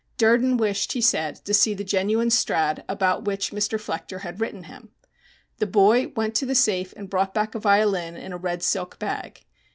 Durden wished, he said, to see the genuine Strad. about which Mr. Flechter had written him. The boy went to the safe and brought back a violin in a red silk bag.